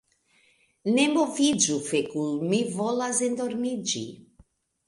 Ne moviĝu fekul' mi volas endormiĝi